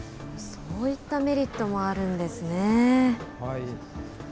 そういったメリットもあるんですね。